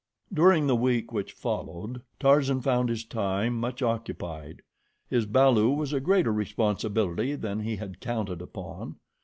During the week which followed, Tarzan found his time much occupied. His balu was a greater responsibility than he had counted upon.